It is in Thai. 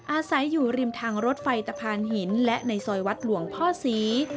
อาศัยอยู่ริมทางรถไฟตะพานหินและในซอยวัดหลวงพ่อศรี